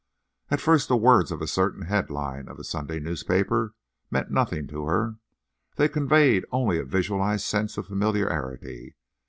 At first the words of a certain headline of a Sunday newspaper meant nothing to her; they conveyed only a visualized sense of familiarity.